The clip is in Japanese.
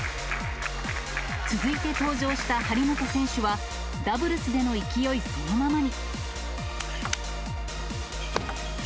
続いて登場した張本選手は、ダブルスでの勢いそのままに。